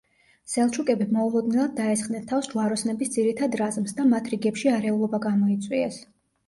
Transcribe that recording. სელჩუკები მოულოდნელად დაესხნენ თავს ჯვაროსნების ძირითად რაზმს და მათ რიგებში არეულობა გამოიწვიეს.